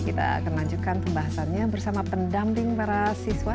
kita akan lanjutkan pembahasannya bersama pendamping para siswa